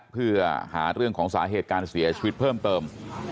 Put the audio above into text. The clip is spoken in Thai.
เพื่อหาเรื่องของสาเหตุการเสียชีวิตเพิ่มเติม